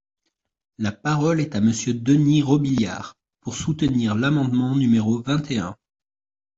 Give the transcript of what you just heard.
La parole est à Monsieur Denys Robiliard, pour soutenir l’amendement numéro vingt et un.